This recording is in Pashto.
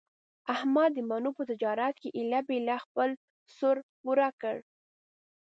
احمد د مڼو په تجارت کې ایله په ایله خپل سر پوره کړ.